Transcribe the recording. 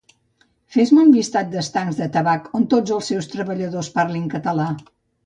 Fes-me un llistat dels Estancs de Tabac on tots els seus treballadors parlin català